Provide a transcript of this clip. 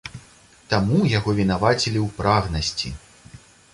Таму яго вінавацілі ў прагнасці.